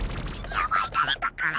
やばい誰か来る！